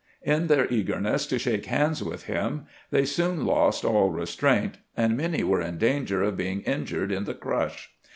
In their eagerness to shake hands with him, they soon lost all restraint, and many were in danger of being injured in the crush.